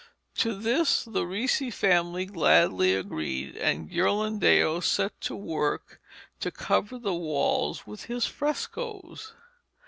To this the Ricci family gladly agreed, and Ghirlandaio was set to work to cover the walls with his frescoes.